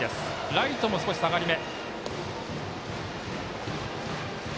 ライトも少し下がり目。